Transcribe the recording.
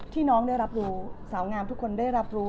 น้องได้รับรู้สาวงามทุกคนได้รับรู้